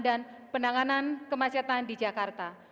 dan penanganan kemacetan di jakarta